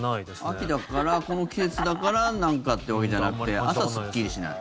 秋だから、この季節だからなんかというわけじゃなくて朝、すっきりしない。